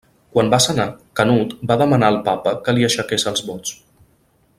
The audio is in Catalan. Quan va sanar, Canut va demanar al papa que li aixequés els vots.